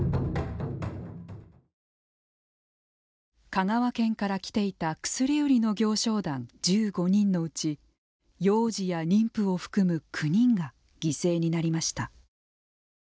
香川県から来ていた薬売りの行商団１５人のうち幼児や妊婦を含む９人が犠牲になりました。